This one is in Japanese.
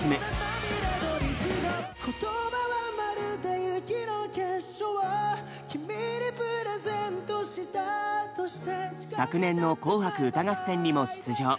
バンド昨年の「紅白歌合戦」にも出場。